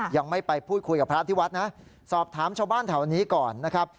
ยังไม่ไปพูดคุยกับพระที่วัดนะสอบถามชาวบ้านแถวนี้ก่อนนะครับ